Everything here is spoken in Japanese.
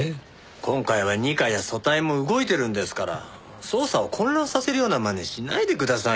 今回は二課や組対も動いてるんですから捜査を混乱させるような真似しないでくださいよ。